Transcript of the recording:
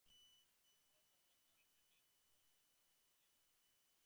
Portsmouth Numbers are updated with data from race results, normally annually.